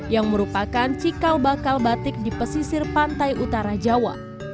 yang merupakan cikal bakal batik di pesisir pantai utara jawa